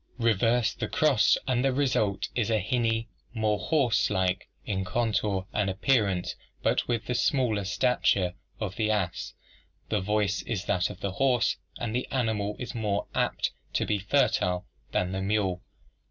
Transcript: Reverse the cross and the result is a hinny, more horselike in contour and appearance, but with the smaller stature of the ass. The voice is that of the horse, and the animal is more apt to be fertile than the mule.